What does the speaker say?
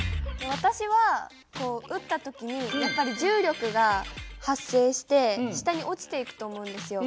私は撃った時にやっぱり重力が発生して下に落ちていくと思うんですよ。